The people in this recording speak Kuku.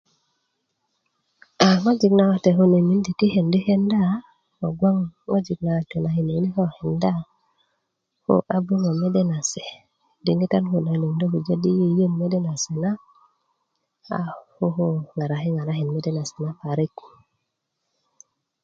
a ŋojik nawate kune ti kendi' kenda kogboŋ ŋojik nawate kune yini ko kenda koo a böŋö mede nase diŋitan kune liŋ do pujö yiyiwu mede nase na a koko ŋaraki ŋaraki mede nase na parik